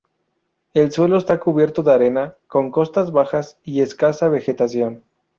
El suelo está cubierto de arena, con costas bajas y escasa vegetación.